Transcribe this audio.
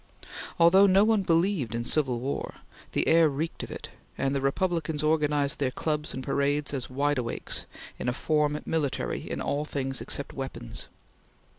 Although no one believed in civil war, the air reeked of it, and the Republicans organized their clubs and parades as Wide Awakes in a form military in all things except weapons.